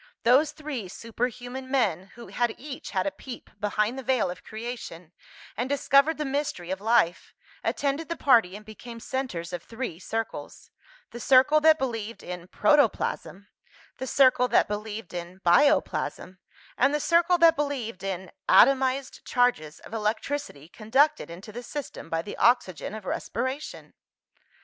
Those three superhuman men, who had each had a peep behind the veil of creation, and discovered the mystery of life, attended the party and became centres of three circles the circle that believed in "protoplasm," the circle that believed in "bioplasm," and the circle that believed in "atomized charges of electricity, conducted into the system by the oxygen of respiration."